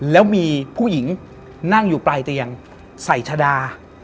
แล้วมีผู้หญิงนั่งอยู่ปลายเตียงใส่ชะดา